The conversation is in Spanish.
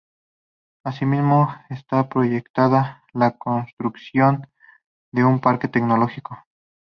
Asimismo, está proyectada la construcción de un parque tecnológico.